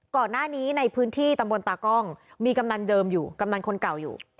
ก่อนหน้านี้ในพื้นที่ตำบลตากล้องมีกำนันเดิมอยู่กำนันคนเก่าอยู่